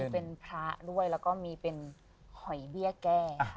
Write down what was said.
เป็นพระด้วยแล้วก็มีเป็นหอยเบี้ยแก้